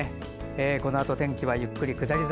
このあと、天気はゆっくり下り坂。